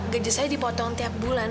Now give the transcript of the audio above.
gaji saya dipotong tiap bulan